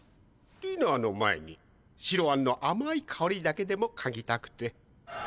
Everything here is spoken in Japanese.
ディナーの前に白あんのあまいかおりだけでもかぎたくて。